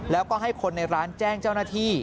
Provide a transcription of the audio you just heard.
แล้วก็ให้คนในร้านแจ้งเจ้าหน้าที่